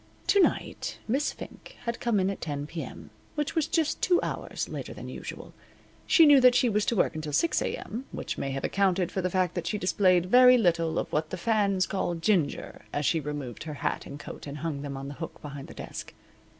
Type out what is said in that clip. To night Miss Fink had come on at 10 P.M., which was just two hours later than usual. She knew that she was to work until 6 A.M., which may have accounted for the fact that she displayed very little of what the fans call ginger as she removed her hat and coat and hung them on the hook behind the desk.